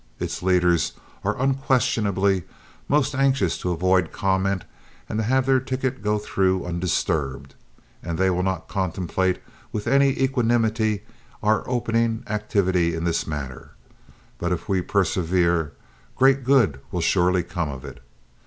Its leaders are unquestionably most anxious to avoid comment and to have their ticket go through undisturbed, and they will not contemplate with any equanimity our opening activity in this matter; but if we persevere, great good will surely come of it.